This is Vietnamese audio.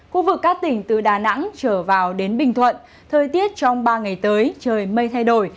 khu vực các tỉnh từ đà nẵng trở vào đến bình thuận thời tiết trong ba ngày tới trời mây thay đổi